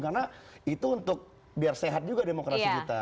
karena itu untuk biar sehat juga demokrasi kita